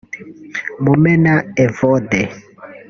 Mumena Evode